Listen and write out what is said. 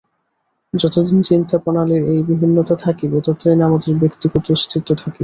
যতদিন চিন্তাপ্রণালীর এই বিভিন্নতা থাকিবে, ততদিন আমাদের ব্যক্তিগত অস্তিত্ব থাকিবে।